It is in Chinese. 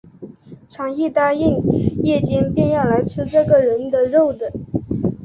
倘一答应，夜间便要来吃这人的肉的